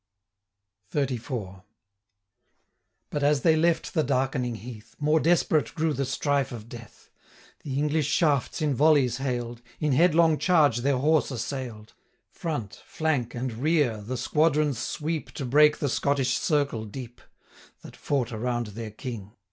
XXXIV. But as they left the dark'ning heath, More desperate grew the strife of death, The English shafts in volleys hail'd, In headlong charge their horse assail'd; 1025 Front, flank, and rear, the squadrons sweep To break the Scottish circle deep, That fought around their King.